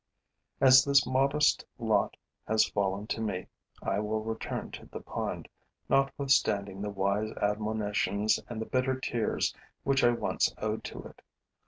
As this modest lot has fallen to me, I will return to the pond, notwithstanding the wise admonitions and the bitter tears which I once owed to it.